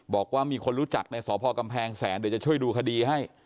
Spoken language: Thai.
บอกว่ามีคนรู้จักในสพกำแพงแสนเดี๋ยวจะช่วยดูคดีให้